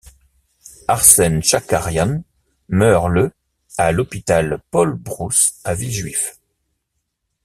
Arsène Tchakarian meurt le à l'hôpital Paul-Brousse à Villejuif.